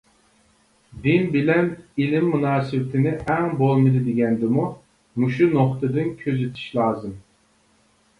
دىن بىلەن ئىلىم مۇناسىۋىتىنى ئەڭ بولمىدى دېگەندىمۇ، مۇشۇ نۇقتىدىن كۆزىتىش لازىم.